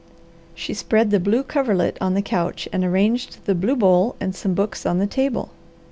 She spread the blue coverlet on the couch, and arranged the blue bowl and some books on the table.